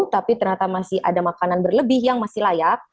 tapi ternyata masih ada makanan berlebih yang masih layak